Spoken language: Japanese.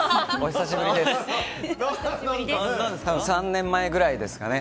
多分、３年前ぐらいですかね。